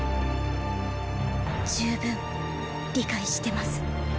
十分理解してます。